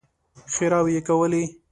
ښېراوې يې کولې.